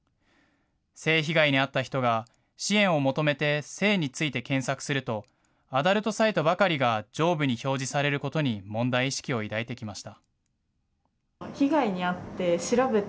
性被害に遭った人が支援を求めて性について検索すると、アダルトサイトばかりが上部に表示されることに、問題意識を抱いてきました。